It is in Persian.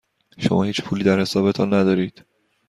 شما هیچ پولی در حسابتان ندارید.